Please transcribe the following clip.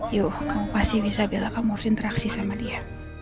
yuk kamu pasti bisa bilang kamu harus interaksi sama dia